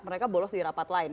mereka bolos di rapat lain